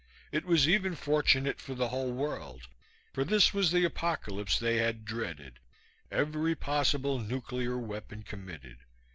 It was even fortunate for the whole world, for this was the Apocalypse they had dreaded, every possible nuclear weapon committed.